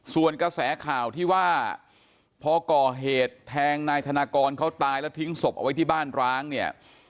ส่วนกระแสข่าวที่ว่าพอก่อเหตุแทงนายธนากรเขาตายแล้วทิ้งศพเอาไว้ที่บ้านร้างเนี่ย